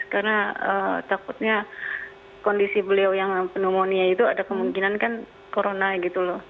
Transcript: karena takutnya kondisi beliau yang pneumonia itu ada kemungkinan kan corona gitu loh